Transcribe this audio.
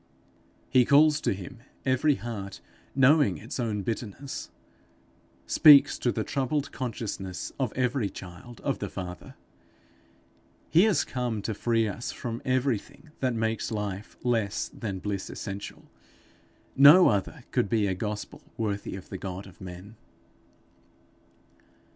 He calls to him every heart knowing its own bitterness, speaks to the troubled consciousness of every child of the Father. He is come to free us from everything that makes life less than bliss essential. No other could be a gospel worthy of the God of men.